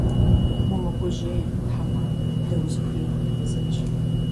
Умыгужьей, тхьэмадэ, дэ узыхуей ухуэдгъэзэнщ.